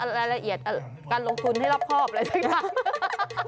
รายละเอียดการลงทุนให้รับครอบเลยจริง